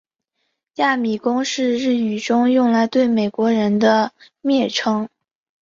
亚米公是日语中用来对美国人的蔑称。